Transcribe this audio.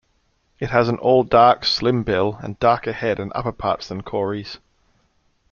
It has an all dark, slim bill, and darker head and upperparts than Cory's.